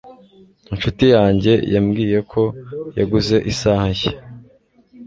Inshuti yanjye yambwiye ko yaguze isaha nshya